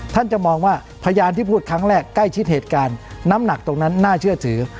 ท่านจะมองว่าพยานที่พูดครั้งแรกใกล้ชิดเหตุการณ์น้ำหนักตรงนั้นน่าเชื่อถือ